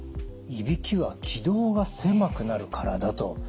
いびきは気道が狭くなるからだと。